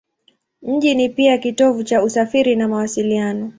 Mji ni pia kitovu cha usafiri na mawasiliano.